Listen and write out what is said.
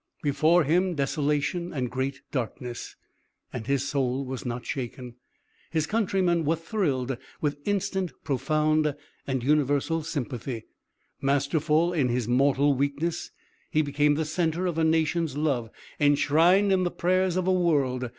Before him, desolation and great darkness! And his soul was not shaken. His countrymen were thrilled with instant, profound and universal sympathy. Masterful in his mortal weakness, he became the center of a nation's love, enshrined in the prayers of a world.